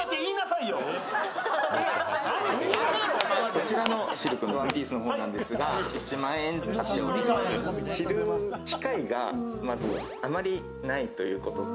こちらのシルクのワンピースなんですが、１万円ということで着る機会がまずあまりないということと。